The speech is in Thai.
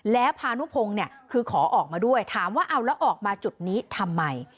แล้วพานุพงศ์เนี่ยคือขอออกมาด้วยถามว่าเอาแล้วออกมาจุดนี้ทำไม